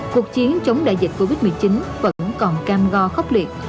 cuộc chiến chống đại dịch covid một mươi chín vẫn còn cam go khốc liệt